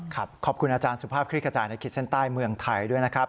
ขอบคุณอาจารย์สุภาพคลิกกระจายในขีดเส้นใต้เมืองไทยด้วยนะครับ